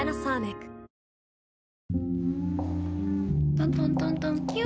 トントントントンキュ。